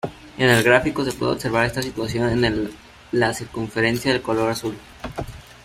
En el gráfico se puede observar esta situación en la circunferencia de color azul.